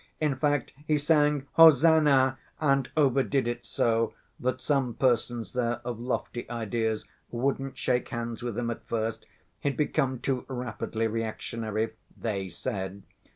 In fact, he sang 'hosannah' and overdid it so, that some persons there of lofty ideas wouldn't shake hands with him at first—he'd become too rapidly reactionary, they said.